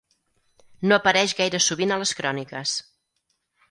No apareix gaire sovint a les cròniques.